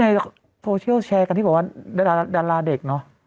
ในโชว์แชร์กันที่บอกว่าดาราเด็ก